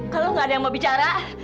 kalau nggak ada yang mau bicara